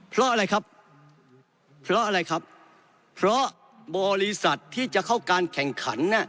เพราะอะไรครับเพราะบริษัทที่จะเข้าการแข่งขัน